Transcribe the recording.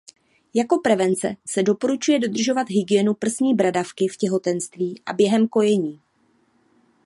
Jako prevence se doporučuje dodržovat hygienu prsní bradavky v těhotenství a během kojení.